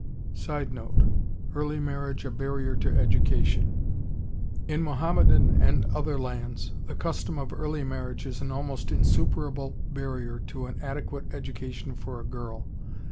[Sidenote: Early marriage a barrier to education.] In Mohammedan and other lands the custom of early marriage is an almost insuperable barrier to an adequate education for a girl.